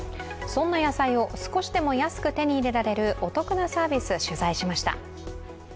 そんな野菜を少しでも安く手に入れられるお得なサービス、取材しました。